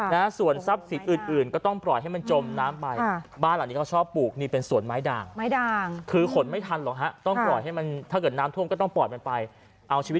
และส่วนทรัพย์สิทธิ์อื่นก็ต้องปล่อยให้มันจมน้ำไป